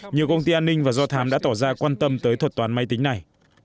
nhiều công ty an ninh và do thám đã tỏ ra quan tâm tới thuật toán máy tính này